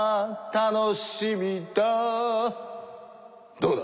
どうだ？